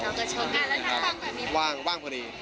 แล้วทางกลางว่างเขามีอยู่ไหม